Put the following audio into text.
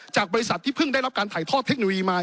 จากบริษัทที่เพิ่งได้รับการถ่ายทอดเทคโนโลยีมา